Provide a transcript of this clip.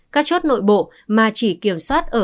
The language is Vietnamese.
các chốt nội bộ mà chỉ kiểm soát ở